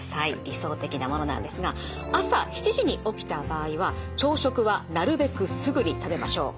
理想的なものなんですが朝７時に起きた場合は朝食はなるべくすぐに食べましょう。